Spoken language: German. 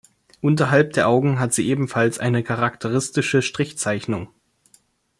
Unterhalb der Augen hat sie ebenfalls eine charakteristische Strichzeichnung.